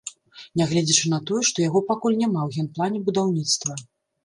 Нягледзячы на тое, што яго пакуль няма ў генплане будаўніцтва.